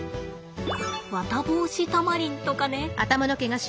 ワタボウシタマリンとかね。